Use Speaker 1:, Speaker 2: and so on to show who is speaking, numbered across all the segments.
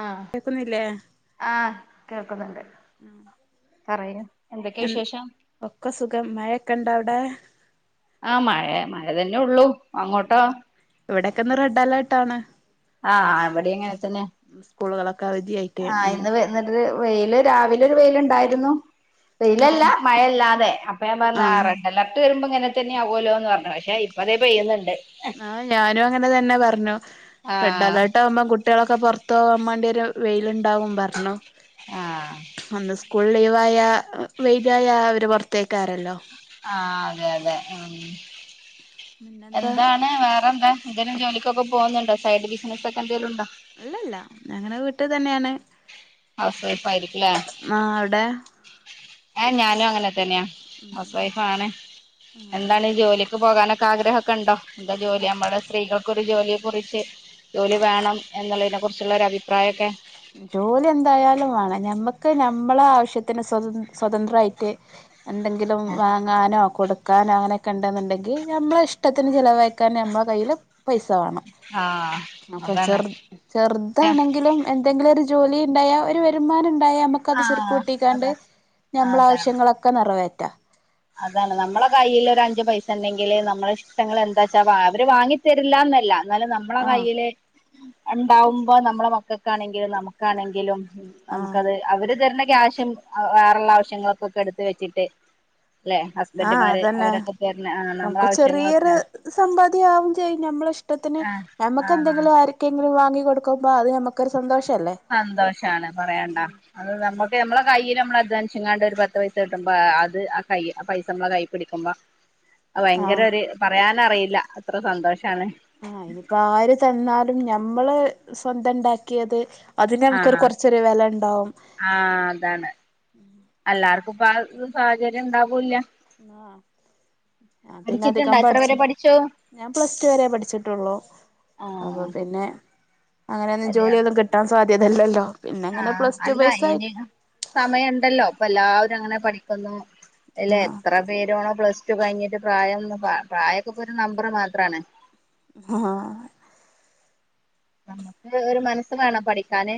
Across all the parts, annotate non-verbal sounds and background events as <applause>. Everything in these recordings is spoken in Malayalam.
Speaker 1: ആഹ്
Speaker 2: കേക്കുന്നില്ലേ
Speaker 1: ആഹ് കേൾക്കുന്നുണ്ട്. പറയ് എന്തൊക്കെ വിശേഷം?
Speaker 2: ഒക്ക സുഖം. മഴൊക്കണ്ടൊ വ്ടെ?
Speaker 1: ആഹ് മഴ മഴ തന്നെ ഒള്ളു അങ്ങോട്ടോ
Speaker 2: ഇവിടൊക്കെന്ന് റെഡ്അലർട്ട് ആണ്
Speaker 1: ആഹ് ഇവടിം അങ്ങനെതന്നെ.
Speaker 2: സ്കൂളുകളൊക്കെ അവധിയായിട്ട്
Speaker 1: ആഹ്
Speaker 2: അങ്ങനെ
Speaker 1: ഇന്ന് വെ ന്ന് ര് വെയില് രാവിലെ ഒര് വെയില്ണ്ടായിരുന്നു. വെയിലല്ല,
Speaker 2: ആഹ്
Speaker 1: മഴല്ലാതെ. അപ്പൊ ഞാൻ പറഞ്ഞ് ആഹ് റെഡ്അല ട്ട് വരുമ്പം ഇങ്ങനെതന്നെ ആവുല്ലോന്ന് പറഞ്ഞു. പക്ഷെ ഇപ്പതേ പെയ്യുന്നുണ്ട്.
Speaker 2: ആഹ് ഞാനു അങ്ങനെതന്നെ പറഞ്ഞു.
Speaker 1: ആഹ്
Speaker 2: റെഡ്അലേർട്ട് ആവുമ്പം കു കുട്ട്യേളൊക്കെ പൊർത്തോവാൻ മാണ്ട്യൊര് വെയിലുണ്ടാവും പറഞ്ഞു.
Speaker 1: ആഹ്
Speaker 2: അന്ന് സ് സകൂൾ ലീവായാ വെയ്ലായാ അവര് പൊർത്തേയ്ക്കാരല്ലോ.
Speaker 1: ആഹ് അതെ അതെ. മം
Speaker 2: പിന്നെന്താ
Speaker 1: എന്താണ്. വേറെന്താ? എന്തേലും ജോലികൊക്കെ പോവുന്നുണ്ടോ? സൈഡ് ബിസിനസ്ഒക്കെ എന്തേലുണ്ടോ?
Speaker 2: ഇല്ലല്ല ഞാങ്ങനെ വീട്ട് തന്നേണ്.
Speaker 1: ഹൗസ് വൈഫ് ആയിരിക്കുലേ
Speaker 2: മാ ഔടെ?
Speaker 1: ഏഹ്. ഞാനും അങ്ങനെതന്നെയാ. ഹൗസ് വൈഫ് ആണ്.
Speaker 2: ആഹ്
Speaker 1: എന്താണ് ജോലി ക്ക് പോകാനൊക്കെ ആഗ്രഹൊക്കെണ്ടോ? എന്താ ജോലി നമ്മടെ സ്ത്രീകൾക്കൊരു ജോലി കുറിച്ച് ജോലി വേണം എന്നുള്ളതിനെക്കുറിച്ചുള്ളൊരു അഭിപ്രായൊക്കെ
Speaker 2: ജോലി എന്തായാലും വേണം. ഞമ്മക്ക് നമ്മളെ ആവശ്യത്തിന് സ്വത സ്വതന്ത്രായിട്ട് എന്തെങ്കിലും വാ ങ്ങാനോ കൊടുക്കാനോ അങ്ങനെയൊക്കെ ഉണ്ടെന്നുണ്ടെങ്കി നമ്മളെ ഇഷ്ടത്തിന് ചിലവഴിക്കാൻ നമ്മളെ കയ്യില് പൈസ വേണം.
Speaker 1: ആഹ്
Speaker 2: അപ്പൊ
Speaker 1: അതാണ്
Speaker 2: ചെർ ചെർതാണെങ്കിലും എന്തെങ്കിലും ഒരു ജോലി ണ്ടായാ ഒരു വരുമാനം ണ്ടായാ നമ ക്കത്
Speaker 1: ആഹ്
Speaker 2: സ്വരുക്കൂട്ടിക്കാണ്ട്
Speaker 1: അതാ അതാണ്
Speaker 2: ഞമ്മളാവശ്യങ്ങളൊക്കെ നിറവേറ്റാ.
Speaker 1: അതാണ് നമ്മളെ കയ്യില് ഒരഞ്ചു പൈസ ഉണ്ടെങ്കില് നമ്മളെ ഇഷ്ടങ്ങൾ എന്താ ച്ചാ വാ, അവര് വാങ്ങി തരില്ലാന്നല്ല ന്നാലും നമ്മളെ
Speaker 2: ആഹ്
Speaker 1: കയ്യിൽ ഇണ്ടാവുമ്പം നമ്മളെ മക്കൾക്കാണെങ്കിലും നമുക്കാണെങ്കിലും
Speaker 2: ആഹ്
Speaker 1: നമുക്കത് അവര് തരുന്ന ക്യാഷും വേറള്ള ആവശ്യങ്ങൾക്കൊക്കെ എടുത്ത് വെച്ചിട്ട് ല്ലെ
Speaker 2: ആഹ്
Speaker 1: ഹസ്ബൻഡുമാര്
Speaker 2: അതന്നെ
Speaker 1: അവരൊക്കെ തര്ന ആഹ് നമ്മളെ ആവശ്യങ്ങളൊക്കെ
Speaker 2: സമ്പാദ്യ ആവും ചെയ്യും ഞമ്മളഷ്ടത്തിന്
Speaker 1: ആഹ്
Speaker 2: ഞമ്മക്ക്
Speaker 1: ആഹ്
Speaker 2: എന്തെങ്കിലും ആര് ക്കെങ്കിലും വാങ്ങി കൊടുക്കുമ്പോ അത് നമക്കൊരു സന്തോഷല്ലേ
Speaker 1: സന്തോഷാണ് പറയാണ്ടാ അത് നമ്മക്ക് നമ്മളെ കയ്യില് നമ്മള് അദ്വാനിച്ങ്ങാണ്ട് ഒരു പത്ത് പൈസ കിട്ടുമ്പോ അത് ആ കൈ ആ പൈസ നമ്മളെ കൈ പിടിക്കുമ്പം അത് ഭയങ്കര
Speaker 2: ആഹ്
Speaker 1: ഒരു പറയാനറിയില്ല അത്ര സന്തോഷാണ്
Speaker 2: ആഹ് അയ്നിപ്പോ ആര് തന്നാലും ഞമ്മള് സ്വന്തം ണ്ടാക്കിയത് അതിന് നമുക്കൊരു
Speaker 1: ആഹ്
Speaker 2: കൊർച്ചൊരു വെലണ്ടാവും
Speaker 1: ആഹ് അതാണ് എല്ലാർക്കും ഇപ്പ ആ സാഹചര്യണ്ടാവൂല്ല
Speaker 2: ആ ഞാ പിന്നെ അതികം
Speaker 1: പഠിച്ചിട്ടുണ്ടോ എത്ര വരെ
Speaker 2: പഠിച്ച്
Speaker 1: പഠിച്ചു
Speaker 2: ഞാൻ പ്ലസ് ടു വരെ പഠിച്ചിട്ടുള്ളു
Speaker 1: ആഹ്
Speaker 2: അപ്പപിന്നെ അങ്ങനെയൊന്നും
Speaker 1: കല്യാണം
Speaker 2: ജോലിയൊന്നും കിട്ടാൻ സാധ്യതല്ലല്ലോ പിന്നെങ്ങനെ
Speaker 1: ആഹ്
Speaker 2: പ്ലസ് ടു
Speaker 1: അല്ല
Speaker 2: ബെയ്‌സായിറ്റ്
Speaker 1: ഇനി സമയണ്ടല്ലോ പ്പൊ എല്ലാവരും അങ്ങനെപഠിക്കുന്നു അല്ല എത്ര പേരാണോ പ്ലസ് ടു കഴിഞ്ഞിട്ട് പ്രായം പ്രായൊകെപ്പൊര് നമ്പർ മാത്രാണ്
Speaker 2: ആഹ്
Speaker 1: നമ്മക്ക് ഒരു മനസ്സ് വേണം പഠിക്കാന്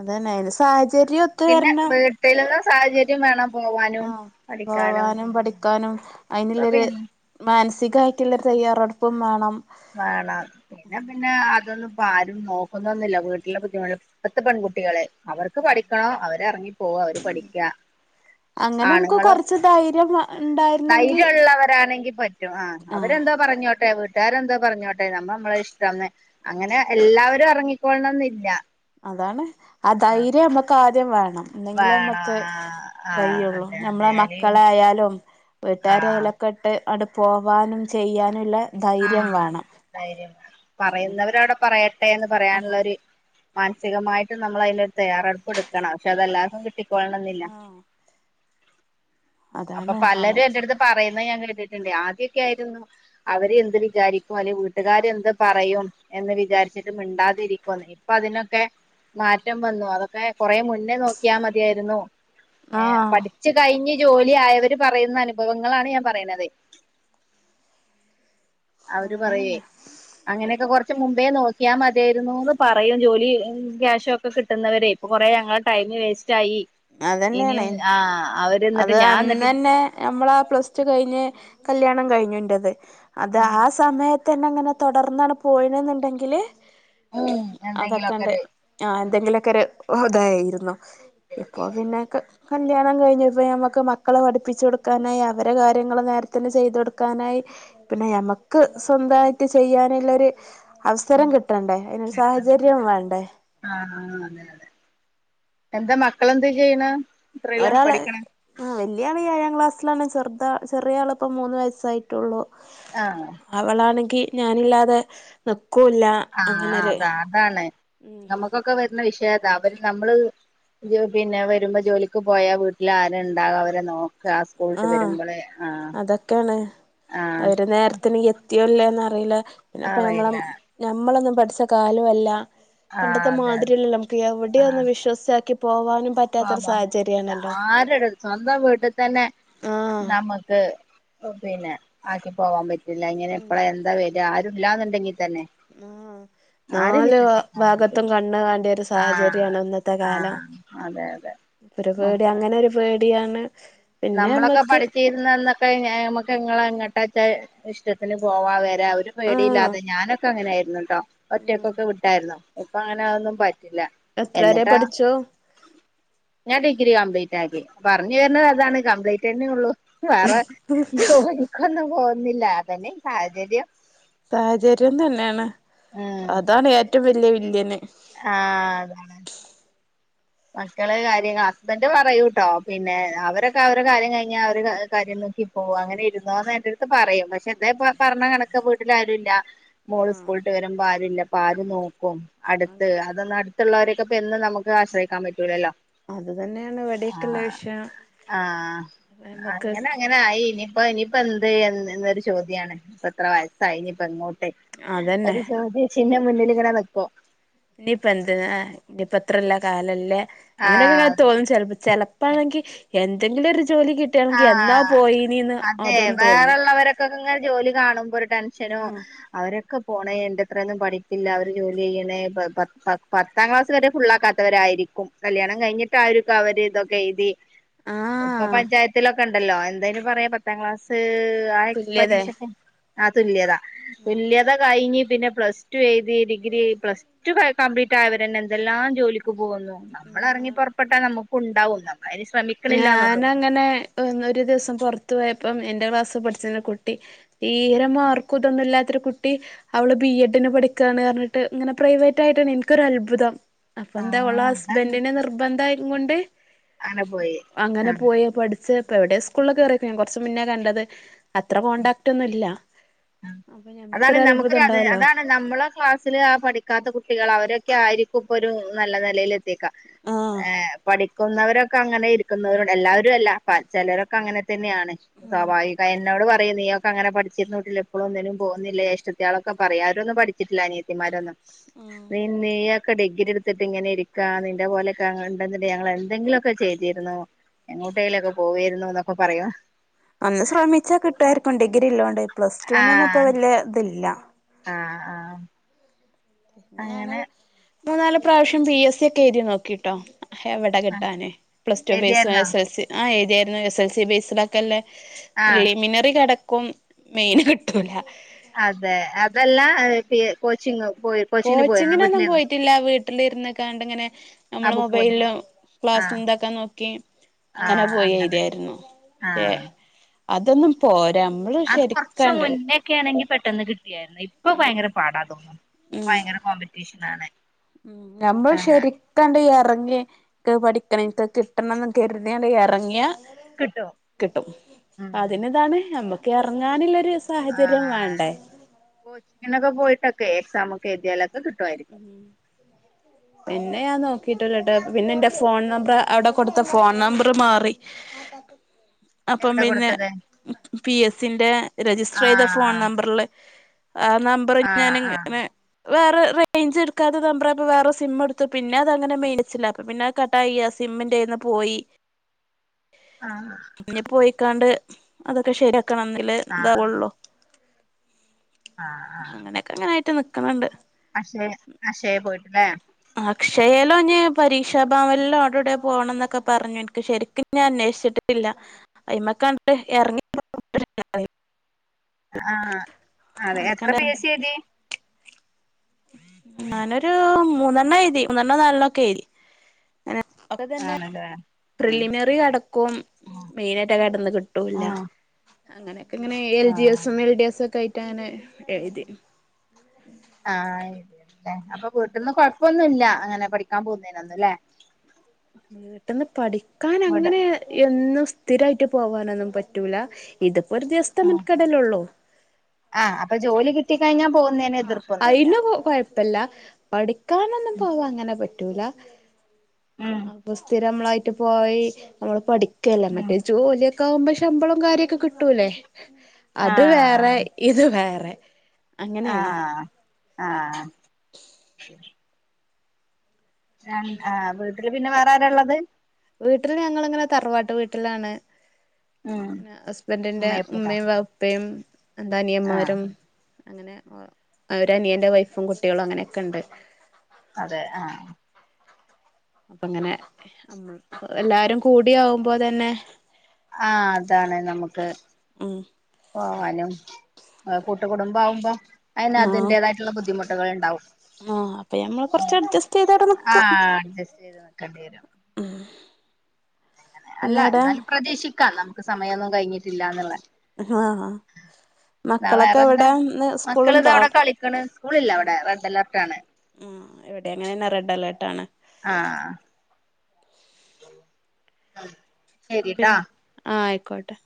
Speaker 2: അതന്നെ അയിന് സാഹചര്യം ഒത്തുവരണം
Speaker 1: പിന്നെല്ലോ സാഹചര്യം ര്യം വേണംപോവാൻ
Speaker 2: ആഹ് പോവാനും പഠിക്കാനും
Speaker 1: ഇപ്പ പി
Speaker 2: അയ്ന്ല്ലൊര് മാനസികായിട്ടുള്ളരു തയ്യാറെടുപ്പുംവേണം
Speaker 1: വേണം പിന്നെ പിന്നെ അതൊന്നും ഇപ്പ ആരുംനോക്കുന്നൊന്നില്ല വീട്ടിലെ ബുദ്ധിമുട്ട് ഇപ്പത്തെ പെൺകുട്ടികളെ അവർക്ക് പഠിക്കണോ അവരെറങ്ങിപ്പോക അവര് പഠിക്ക
Speaker 2: അങ്ങനെ നമുക്ക്
Speaker 1: ആണുങ്ങളും
Speaker 2: കൊറച്ച് ധൈര്യം ഉണ്ടായിരുന്നെങ്കി
Speaker 1: ധൈര്യള്ളവരാണെങ്കിൽ പ റ്റും ആ
Speaker 2: ആഹ്
Speaker 1: അവരെന്തോ പറഞ്ഞോട്ടെ വീട്ടാരെന്തോ പറഞ്ഞോട്ടെ നമ്മ നമ്മള ഇഷ്ടന്ന് അങ്ങനെ എല്ലാവരും ഇറങ്ങിക്കൊൾണംന്നില്ല
Speaker 2: അതാണ് ആ ധൈര്യമക്ക് ആദ്യംവേണം
Speaker 1: വേണോ
Speaker 2: ഇന്നെങ്കിലെമക്ക്
Speaker 1: ആ ആ
Speaker 2: കയ്യൊള്ളു
Speaker 1: അതെ അതെ ആരെയും
Speaker 2: ഞമ്മളെമക്കളെയാലും
Speaker 1: ആ
Speaker 2: വീട്ടാരയലൊക്കെട്ട് അണ്ട് പോവാനും ചെയ്യാനുള്ള
Speaker 1: ആഹ് ധൈര്യംവേണം പറയുന്നവരവിടെ പറയട്ടേന്ന്
Speaker 2: ആഹ്
Speaker 1: പറയാനുള്ളരു മാനസികമായിട്ടും നമ്മൾ അതിനൊരു തയ്യാറെടുപ്പ് ഇടുക്കണം പക്ഷെ അതെല്ലാർക്കും കിട്ടിക്കോൾണംന്നില്ല
Speaker 2: ആഹ്
Speaker 1: അപ്പൊ
Speaker 2: അതാണ്
Speaker 1: പലരും എന്റെടുത്ത് പറയുന്ന ഞാൻ കെട്ടിട്ടുണ്ട് ആദ്യക്കായിരുന്നു നീ എന്ത് വിചാരിക്കും അല്ലെ വീട്ടുകാര് എന്ത്പറയും എന്ന് വിചാരിച്ചിട്ട് മിണ്ടാതിരിക്കും ഇപ്പ അതിനൊക്കെ മാറ്റംവന്നു അതൊക്കെ കൊറെ മുന്നേ നോക്കിയാമതിയായിരുന്നു ഏഹ്
Speaker 2: ആഹ്
Speaker 1: പഠിച്ചുകഴിഞ് ജോലിആയവര് പറയുന്ന അനുഭവങ്ങളാണ് ഞാൻപറയുന്നത് അവര്
Speaker 2: അങ്ങനെ
Speaker 1: പറയേ
Speaker 2: തന്നെ
Speaker 1: അങ്ങനെയൊക്കെ കുറച്ച് മുമ്പേ നോക്കിയാ മതിയായിരുന്നുന്ന് പറയും ജോലി ക്യാഷോക്കെ കിട്ടുന്നവരെ ഇപ്പൊകൊറേ ഞങ്ങള ടൈമ് വേസ്റ്റായി
Speaker 2: അതന്നെയാണ്
Speaker 1: ഇനിയും ആ അവര്ന
Speaker 2: അത് അന്നന്നെ നമ്മളാ പ്ലസ് ടു കയിഞ്ഞ് കല്ല്യാണം കഴിഞ്ഞുന്റത് അത്
Speaker 1: ഉം
Speaker 2: ആ സമയത്തന്നങ്ങനെ തൊടർന്നാണ് പോയിണ്ന്ന്ണ്ടെങ്കില്
Speaker 1: ഉം എന്തെങ്കിലുമൊക്കെ
Speaker 2: അതൊക്കണ്ട്
Speaker 1: ഒരു
Speaker 2: ആ എന്തെങ്കിലൊക്കെരു ഉതായിരുന്നു ഇപ്പൊപിന്നെ ക് കല്യാണംകഴിഞ്ഞതും ഇപ്പ ഞമക്ക് മക്കളെ പഠിപ്പിചൊടുക്കാനായി അവരെ കാര്യങ്ങള് നേര്ത്തിന് ചെയ്തൊടുക്കാനായി പിന്നെ ഞമക്ക് സ്വന്തായിട്ട് ചെയ്യാന്ല്ലൊര് അവസരം കിട്ടണ്ടേ അതിനൊരു
Speaker 1: കിട്ടുന്ന
Speaker 2: സാഹചര്യം വേണ്ടേ
Speaker 1: ആഹ് അതെ അതെ എന്താ മക്കളെന്തെചെയ്യ്ണെ
Speaker 2: ഒരാള് ആഹ് വല്യാള് ഏഴാം ക്ലാസ്സിലാണ് ചെറുത ചെറിയ ആളിപ്പ മൂന്ന് വയസ്സായിട്ടുള്ളു
Speaker 1: ആഹ്
Speaker 2: അവളാണെങ്കി ഞാനില്ലാതെ നിക്കൂല്ല
Speaker 1: ആഹ് അ
Speaker 2: അങ്ങനൊരു
Speaker 1: അതാ അതാണ്
Speaker 2: ഉം
Speaker 1: നമ്മുക്കൊക്കെ വരുന്ന വിഷയതാ അവര് നമ്മള് ജു പിന്നെ വരുമ്പോ ജോലിക്ക് പോയാ വീട്ടില് ആരണ്ടാവാ അവരെ നോ
Speaker 2: ആഹ് അതൊക്കെണ്
Speaker 1: ആഹ്
Speaker 2: അവര് നേരത്തിന് എത് ത്തിയോല്ലേന്നറീല പിന്നപ്പ ഞമ്മളം
Speaker 1: അറിയില്ല
Speaker 2: ഞമ്മളൊന്നും പഠിച്ച കാലോ അല്ല
Speaker 1: ആഹ്
Speaker 2: പണ്ടത്തെ
Speaker 1: അതെ അതെ
Speaker 2: മാതിരിയല്ലല്ലോ നമുക്ക്‌ എവിടിയോന്ന് വിശ്വസ്ചാക്കി പോവാനും പ
Speaker 1: പോവാൻപറ്റില്ല ആരടെവീ സ്വന്തം വീട്ട് തന്നെ
Speaker 2: ആഹ്
Speaker 1: നമ്ക്ക് പിന്നെ ആക്കി പോവാൻ പറ്റ് ല്ല ഇങ്ങനെ
Speaker 2: ഉം
Speaker 1: ഇപ്പഴ എന്താ വര ആരും ഇല്ലാന്നുണ്ടെങ്കിൽ തന്നെ
Speaker 2: ആഹ്
Speaker 1: ആരേം
Speaker 2: നല് വാ
Speaker 1: വിശ്വസിക്കാൻ
Speaker 2: ഭാഗത്തും
Speaker 1: പറ്റില്ല
Speaker 2: കണ്ണ് വേണ്ട ഒരു
Speaker 1: ആഹ്
Speaker 2: സാഹചര്യാണ് ഇന്നത്തെ കാലം
Speaker 1: ആഹ് അതെ അതെ
Speaker 2: ഒരു പേടി
Speaker 1: മക്കളെ
Speaker 2: അങ്ങനെ ഒരു പേടിയാണ് പ്
Speaker 1: നമ്മളൊക്കെ പഠിചീര്ന്ന അന്നൊക്കെയ്ൻ നമ്മക്ക്ങ്ങെളെ എങ്ങട്ടാച്ചാ ഇഷ്ടത്തിന് പോവാ വെര് ഒരു
Speaker 2: ആഹ്
Speaker 1: പേടിയില്ലാതെ ഞാനൊക്കെ അങ്ങനെ ആയിരുന്നു ട്ടോ
Speaker 2: ഉം
Speaker 1: ഒറ്റൊക്കൊക്കെ വിട്ട് ട്ടായിര്ന്നു. ഇപ്പൊ അങ്ങന അന്നും പറ്റില്ല
Speaker 2: എത്ര വരെ
Speaker 1: എന്നിട്ടാ
Speaker 2: പഠിച്ചു
Speaker 1: ഞാൻ ഡിഗ്രി കംപ്ലീറ്റ് ആക്കി പറഞ് വര്ണത് അതാണ് കംപ്ലീറ്റന്നെ ഒള്ളൂ. വേറെ ജോലിക്കൊന്നും പോവുന്നില്ല അതന്നെ സാഹചര്യം
Speaker 2: സാഹചര്യം തന്നെണ് അതാണ് ഏറ്റവും വല്യ വില്യന്
Speaker 1: ആഹ് അതാണ് മക്കള് കാര്യങ്ങ ഹസ്ബന്റ് പറയൂട്ടോ പിന്നെ അവരൊക്കെ അവരെ കാര്യം കയ്ഞ്ഞ അവര് കാര്യം നോക്കി പ് പോവുംഅങ്ങനെ ഇരുന്നോന്ന് എന്റെ അടുത്ത് പറയും പഷെ എന്തെ പ പറഞ്ഞ എനക്ക് വീട്ടിലാരുല്ല മോള് സ്കൂള്ട്ട്
Speaker 2: ആഹ്
Speaker 1: വരുമ്പോ ആര്ല്ല അപ്പൊ ആര് നോക്കും അട്‌ത്ത് അതൊന്നടുത്തുള്ളോരൊക്കെപ്പെന്നും നമുക്ക് ആശ്രയിക്കാൻ പറ്റൂലല്ലോ
Speaker 2: അത് തന്നെയാണ് ഇവിടെയൊക്കെയുള്ള
Speaker 1: ആഹ്
Speaker 2: വിഷയം
Speaker 1: ആഹ്
Speaker 2: നമ്മക്ക്
Speaker 1: അങ്ങനങ്ങൻ ആയി ഇനിയിപ്പോ ഇനിയിപ്പോ എന്ത്‌ എന്ന്ന്നൊരു ചോദ്യാണ് ഇപ്പ എത്ര വയസ്സായി ഇനിയിപ്പങ്ങോ ട്ട്
Speaker 2: അതന്നെ
Speaker 1: ഒരു ചോദ്യ ചിഹ്നം മുന്നില്ങ്ങനെ നിക്കും
Speaker 2: ഇനിപ്പ എന്ത്‌ അഹ് ഏഹ് ഇനിപ്പ എത്രല്ല കാലല്ലേ
Speaker 1: ആഹ്
Speaker 2: അങ്ങനെയൊക്കെങ്ങനെ തോന്നും ചെൽപ് ചെല അപ്പാണെങ്കി എന്തെങ്കിലും ഒരു ജോലി കിട്ടിയാണെങ്കിൽ എന്താ
Speaker 1: ആഹ്
Speaker 2: പോയിനീന്ന് അതും തോന്നും
Speaker 1: ഇക്കക്കെങ്ങനെ ജോലി കാണുമ്പോ ഒരു ടെൻഷനോ അവരൊക്കെ പോണേ എന്റെത്രൊന്നും പഠിപ്പില്ല അവര് ജോലി ചെയ്യ്ണേ പ പ പ പ ത്താം ക്ലാസ് വരെ ഫുള്ളാക്കാത്തവരായിരിക്കും കല്യാണം കഴിഞ്ഞിട്ടായിര്ക്കും അവര് ഇതൊക്കെയ്തി പ്പ
Speaker 2: ആഹ്
Speaker 1: പഞ്ചായ ണ്ടല്ലോ എന്തായ്ന് പറയാ പത്താം ക്ലാസ് ആഹ് എക്സ്
Speaker 2: തുല്യതെ
Speaker 1: പരീക്ഷക്ക് ആഹ് തുല്യത തുല്യത കയ്ഞ്ഞ് പിന്നെ പ്ലസ് ടു എയ്തി ഡിഗ്രി പ്ലസ് സ്റ്റു കംപ്ലീറ്റ് ആയവരെന്നെ എന്തെല്ലാം ജോലിക്ക് പോകുന്നു നമ്മളെറങ്ങി
Speaker 2: ആഹ്
Speaker 1: പൊർപ്പെട്ട നമ്മക്കും ഉണ്ടാവും നമ്മളയ്ന് ശ്രമിക്
Speaker 2: ഞാനങ്ങനെ എന്നൊരു ദിസം പൊർത്തു പോയപ്പം എന്റെ ക്ലാസ് പഠിച്ച് ണ കുട്ടി തീരെ മാർക്കുതൊന്നൂല്ലാത്തൊരു കുട്ടി അവള് ബി എ ഡ് ന് പഠിക്കാണ് പറഞ്ഞിട്ട് ഇങ്ങനെ പ്രൈവറ്റ് ആയിട്ടാണ് എനിക്കൊരു അത്ഭുതം അപ്പോ എന്താ ഓളെ ഹസ്ബൻറിന്റെ നിർബന്ധം ആയിരുന്നു കൊണ്ട്
Speaker 1: അങ്ങനെ പോയി ആ
Speaker 2: അങ്ങനെ പോയി പഠി എവിടെ സ്കൂളാ കേറിക്ക കൊറച്ച് മുന്നേ കണ്ടത് അത്ര കോണ്ടാക്ട് ഒന്നും ഇല്ല അപ്പോ
Speaker 1: അതാണ്
Speaker 2: ഞമ്മക്കൊരു അത്ഭുതം
Speaker 1: നമുക്കൊരു അത്
Speaker 2: ഉണ്ടാവല്ലോ
Speaker 1: അതാണ് നമ്മളെ ക്ലാസ്സില് ആഹ് പഠിക്കാത്ത കുട്ടികൾ അവരൊക്കെ ആയിരിക്കും ഇപ്പോരു നല്ല നെലയിൽ ത്തിക്ക
Speaker 2: ആഹ്
Speaker 1: ഏഹ് പഠി ക്കുന്നവരൊക്കെ അങ്ങനെ ഇരിക്കുന്നവരുണ്ട് എല്ലാവരും അല്ല പ ചിലരൊക്കെ അങ്ങനെ തന്നെയാണ്
Speaker 2: ഉം
Speaker 1: സ്വാഭാവി എന്നോട് പറയും നീ ഒക്കെ അങ്ങനെ പഠിച്ചിരുന്നുട്ടിലും ഇപ്പോളൊന്നിനും പോകുന്നില്ലേ ജേഷ്ഠത്തി യാളൊക്കെ പറയാ ആരൊന്നും പഠിച്ചിട്ടില്ല അനിയത്തിമാരൊന്നും
Speaker 2: ഉം
Speaker 1: നീ നീയൊക്കെ ഡിഗ്രി എടുത്തിട്ട് ഇങ്ങനെ ഇരിക്കാ നിന്റെ പോലൊക്കെ ഞങ്ങൾ ഉണ്ടങ്കിൽ ഞങ്ങൾ എന്തെങ്കിലും ഒക്കെ ചെയ്തിരുന്നു എങ്ങോട്ടയിലൊക്കെ പോവായിരുന്നു ന്നൊക്കെ പറയും
Speaker 2: ഒന്ന് ശ്രമിച്ചാ കിട്ടുവാര്ക്കും ഡിഗ്രി ഇല്ലോണ്ട് പ്ലസ് ടു ഒന്നും ഇപ്പ വലിയ ഇതില്ല
Speaker 1: ആഹ് ആഹ്
Speaker 2: പിന്നെ ഞാന് മൂന്നാല് പ്രാവശ്യം പി എസ് സി ഒക്കെ എയുതി നോക്കി ട്ടോ എവിടെ കിട്ടാന് പ്ലസ്ടു ബേസ്
Speaker 1: എഴുതിയായിരുന്നോ
Speaker 2: എസ് എൽ സി ആഹ് എഴുതിരുന്നു എസ് എൽ സി ബേസിലൊക്കെ ല്ലേ
Speaker 1: ആഹ്
Speaker 2: പ്രിലിമിനറി കടക്കും മെയിന് കിട്ടൂല
Speaker 1: അതെ അതെല്ലാം ഏഹ് പേ കോച്ചിങ് പോയി കോച്ചിങ്ങിന് പോയിരുന്നു
Speaker 2: കോച്ചിങ്ങിനൊന്നും
Speaker 1: വീട്ടിലേന്ന്
Speaker 2: പോയിട്ടില്ല വീട്ടില് ഇരുന്ന് കാണ്ടിങ്ങനെ
Speaker 1: ആ
Speaker 2: നമ്മള്
Speaker 1: ബുക്ക് പോയി
Speaker 2: മൊബൈലും ക്ലാസ്സ്
Speaker 1: ആഹ്
Speaker 2: എന്താക്കാൻ നോക്കി അങ്ങനെ
Speaker 1: ആഹ്
Speaker 2: പോയി
Speaker 1: അങ്ങനെ
Speaker 2: എഴുതിയാര്ന്നു ലെ
Speaker 1: ആഹ്
Speaker 2: അതൊന്നും പോരാ നമ്മള് ശരിക്കാണ്ട്
Speaker 1: ക്കെ ആണെങ്കിൽ പെട്ടെന്ന് കിട്ടിയായിരുന്നു ഇപ്പ
Speaker 2: ഉം
Speaker 1: ഭയങ്കര പാടാ തോന്നും
Speaker 2: ഉം
Speaker 1: ഭയങ്കര കോമ്പറ്റീഷൻ ആണ്
Speaker 2: ഉം നമ്മൾ ശരി ക്കണ്ട് എറങ്ങി എൻക്ക് പഠിക്കണം എൻക്ക് കിട്ടണം എന്ന് കരുതിയണ്ട് എറങ്ങിയ
Speaker 1: കിട്ടും
Speaker 2: കിട്ടും
Speaker 1: ഉം
Speaker 2: അതിന് ഇതാണ് നമ്മക്ക് എറങ്ങാനുള്ളരു
Speaker 1: ആഹ് കോച്ചിങ്ങ്നൊക്കെ പോയിട്ടൊക്കെ എക്സാം ഒക്കെ എഴുതിയാലൊക്കെ കിട്ടുവായിരിക്കും
Speaker 2: ഉം പിന്നെ ഞാൻ നോക്കിട്ട് ഒരട്ടം പിന്നെ എന്റെ ഫോൺ നമ്പർ അവിടെ കൊടുത്ത ഫോൺ നമ്പർ മാറി <unintelligible> അപ്പം
Speaker 1: എവിടെ
Speaker 2: പിന്നെ
Speaker 1: കൊടുത്തത്
Speaker 2: പി എസ് സിന്റെ രജിസ്റ്റർ ചെയ്ത ഫോൺ
Speaker 1: ആഹ്
Speaker 2: നമ്പറില് ആഹ് നമ്പർ ഞാൻ
Speaker 1: ആഹ് ആഹ്
Speaker 2: ഇങ്ങനെ വേറെ റെ റെയ്ഞ്ച് എടുക്കാത്തെ നമ്പർ ആയപ്പോൾ വേറെ സിം എടുത്തു പിന്നെ അതങ്ങനെ മേറ്റെച്ചില്ല അപ്പ പിന്നെ കട്ടായി അ സി സിമ്മിൻ്റെന്ന് പോയി
Speaker 1: ആഹ്
Speaker 2: ഇഞ്
Speaker 1: ആഹ്
Speaker 2: പോയിക്കാണ്ട് അതൊക്കെ ശരിയാക്കണം നി ല് എന്താവൊള്ളു
Speaker 1: ആഹ് ആഹ്
Speaker 2: അങ്ങനെയായിട്ട് നിക്ക്ണ്‌ണ്ട്
Speaker 1: അക്ഷേ അക്ഷയ പോയിട്ട് ലെ
Speaker 2: അക്ഷയലോ ഇഞ് പരീക്ഷാഭാവലിലോ അവടെ ഇവിടെ പോണം എന്നൊക്കെ പറഞ്ഞു എനിക്ക് ശരിക്ക്‌ ഞാൻ അന്വേഷിച്ചിട്ടില്ല അയിമക്ക് കങ്ങട്ട് എറങ്ങിപൊ <inaudible>
Speaker 1: ആഹ് അതെ എത്ര
Speaker 2: അടക്കാണ്ട്
Speaker 1: പി എസ്
Speaker 2: ഇറങ്ങി
Speaker 1: സി എഴുതി
Speaker 2: ഞാനൊരു മൂന്നെണ്ണം എഴുതി മൂന്നെണ്ണം നാലെണ്ണം ഒക്കെ എഴുതി <unintelligible> ഒക്കെ തന്നെ
Speaker 1: ആണല്ലേ
Speaker 2: പ്രിലിമിനറി കെടക്കും
Speaker 1: ആ
Speaker 2: മെയിനായിട്ട് കെടന്ന് കിട്ടുംല്ല
Speaker 1: ആഹ്
Speaker 2: അങ്ങനെയൊക്കെ ഇങ്ങനെ എ എൽ ജി
Speaker 1: ആഹ്
Speaker 2: എസും എൽ ഡി എസും ഒക്കെ ആയിട്ട് അങ്ങനെ എഴുതി
Speaker 1: ആഹ് <unintelligible> അപ്പോ വീട്ടിന്ന്ന് കൊഴപ്പൊന്നുമില്ല അങ്ങനെ പഠിക്കാൻ പോകുന്നതിനൊന്നും ലെ
Speaker 2: വീട്ട്ന്ന് പഠിക്കാൻ
Speaker 1: വിട
Speaker 2: അങ്ങനെ എന്നും സ്ഥിരായിട്ട് പോവാനൊന്നും പറ്റൂല ഇതിപ്പോ ഒരു ദിവസത്തെ
Speaker 1: ആഹ്
Speaker 2: മൻകടലൊള്ളു
Speaker 1: ആഹ് അപ്പോ ജോലി കിട്ടിക്കഴിഞ്ഞാ പോകുന്നേന് എതിർപ്പൊന്നും ഇല്ല
Speaker 2: ഇപ്പല്ല പഠിക്കാനൊന്നും പോവാ അങ്ങനെ പറ്റൂല
Speaker 1: ഉം
Speaker 2: അപ്പൊ സ്ഥിരമ്മളായിട്ട് പോയി നമ്മള് പഠിക്കല്ല
Speaker 1: ഉം
Speaker 2: മറ്റേ ജോലിയൊക്കെ ആവ്മ്പോ ശമ്പളം കാര്യൊക്കെ കിട്ടൂല്ലേ അത് വേറെ
Speaker 1: ആഹ്
Speaker 2: ഇത് വേറെ അങ്ങനെയാണ്
Speaker 1: ആഹ് ആഹ് ആഹ് വീട്ടില് പിന്നെ വേറെ ആരള്ളത്
Speaker 2: വീട്ടിൽ ഞങ്ങളിങ്ങനെ തറവാട്ട് വീട്ടിലാണ്
Speaker 1: ഉം ഉമ്മ
Speaker 2: ഹസ്ബൻഡ്ന്റെ
Speaker 1: ഇപ്പിക്ക
Speaker 2: ഉമ്മയും
Speaker 1: ആഹ്
Speaker 2: വാപ്പയുംരണ്ടനിയമാരും അങ്ങനെഒരനിയന്റെ വൈഫും കുട്ടികളും അങ്ങനെയൊക്കെണ്ട്
Speaker 1: അതെ ആഹ്
Speaker 2: അപ്പങ്ങനെ എല്ലാരും കൂടി ആവ്മ്പോ തന്നെ
Speaker 1: ആഹ് അതാണ് നമുക്ക്
Speaker 2: ഉം
Speaker 1: പോവാനും കൂട്ടുകുടുംബം ആവ്മ്പോ അതിന് അതിന്റേതായിട്ടുള്ള ബുദ്ധിമുട്ടുകൾ ഉണ്ടാവും
Speaker 2: മോ അപ്പൊ ഞമ്മൾ കൊറച്ച് അഡ്ജസ്റ്റ് ചെയ്തവ്ടെനിക്കാം
Speaker 1: ആഹ് <unintelligible> ചെയ്ത് നിക്കേണ്ടിരും
Speaker 2: ആഹ്
Speaker 1: ങ്ങനെ അല്ല എന്നാലും പ്രതീശിക്കാം നമുക്ക് സമയഒന്നും കഴിഞ്ഞിട്ടില്ല എന്നുള്ളെ
Speaker 2: ഹ് ആ
Speaker 1: ന്നാ വേറെ എന്താ മക്കള്താ
Speaker 2: സ്കൂളുണ്ടോ
Speaker 1: ഇവട
Speaker 2: ആഹ്
Speaker 1: കളിക്ക്‌ണ് സ്കൂളില്ല ഇവട റെഡ് അലേർട്ടാണ്
Speaker 2: ഉം ഇവടി അങ്ങനെന്നെ റെഡ് അലേർട്ട ആണ്
Speaker 1: ആഹ്
Speaker 2: പിൻ
Speaker 1: ശരിട്ടാ
Speaker 2: ആ അയിക്കോട്ടെ